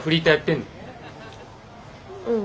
うん。